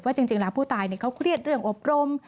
จริงแล้วผู้ตายเขาเครียดเรื่องอบรม